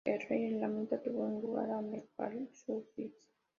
El rey elamita puso en su lugar a Nergal-ushezib.